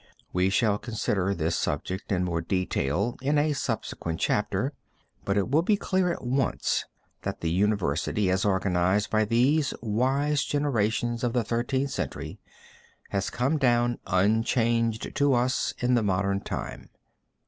We shall consider this subject in more detail in a subsequent chapter, but it will be clear at once that the university, as organized by these wise generations of the Thirteenth Century, has come down unchanged to us in the modern time.